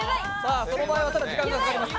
その場合、時間がかかります。